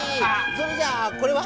それじゃあこれは？